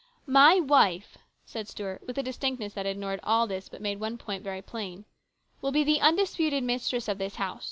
" My wife," said Stuart with a distinctness that ignored all this, but made one point very plain, " will be the undisputed mistress of this house.